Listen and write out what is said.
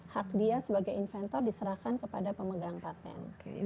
hak dia sebagai inventor diserahkan kepada pemegang patent